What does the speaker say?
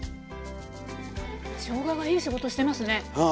しょうががいい仕事してますね。